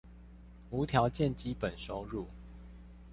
無條件基本收入